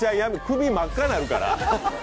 首真っ赤なるから。